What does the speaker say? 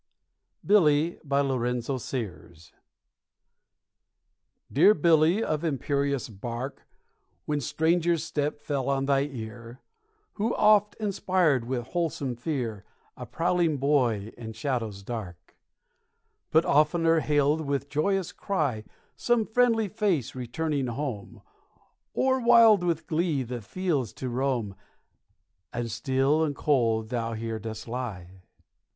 _ BILLY Dear Billy, of imperious bark When stranger's step fell on thy ear; Who oft inspired with wholesome fear A prowling boy in shadows dark: But oftener hailed with joyous cry Some friendly face returning home, Or, wild with glee, the fields to roam Now still and cold thou here dost lie!